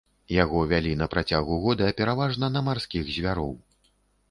Яго вялі на працягу года пераважна на марскіх звяроў.